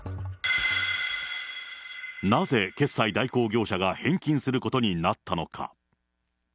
なぜ決済代行業者が返金することになったのか。